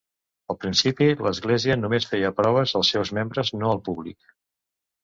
Al principi l'església només feia proves als seus membres, no al públic.